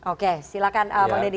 oke silahkan bang deddy